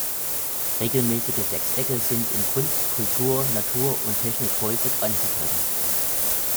Regelmäßige Sechsecke sind in Kunst, Kultur, Natur und Technik häufig anzutreffen.